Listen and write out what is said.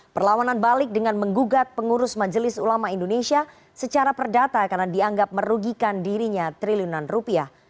perlawanan balik dengan menggugat pengurus majelis ulama indonesia secara perdata karena dianggap merugikan dirinya triliunan rupiah